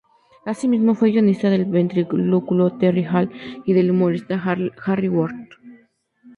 Así mismo, fue guionista del ventrílocuo Terry Hall y del humorista Harry Worth.